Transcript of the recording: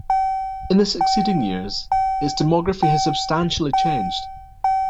In the succeeding years, its demography has substantially changed.